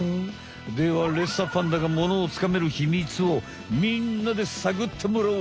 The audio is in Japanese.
ではレッサーパンダがモノをつかめるヒミツをみんなでさぐってもらおう！